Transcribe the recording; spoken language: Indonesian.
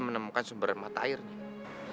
menemukan sumber mata airnya